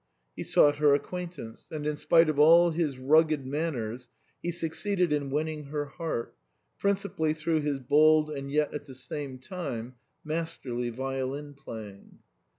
He sought her acquaint ance ; and in spite of all his rugged manners he suc ceeded in winning her heart, principally through his bold and yet at the same time masterly violin playing.